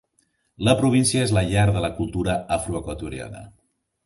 La província és la llar de la cultura afroequatoriana.